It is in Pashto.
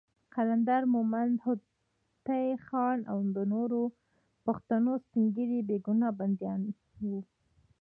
قلندر مومند، هوتي خان، او د نورو پښتنو سپین ږیري بېګناه بندیان وو.